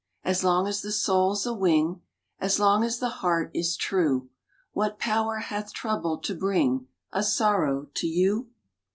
As long as the soul s a wing, As long as the heart is true, What power hath trouble to bring A sorrow to you?